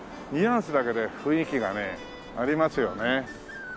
ニュアンスだけで雰囲気がねありますよね。